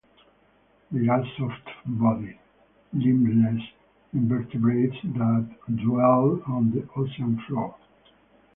They are soft bodied, limbless invertebrates that dwell on the ocean floor.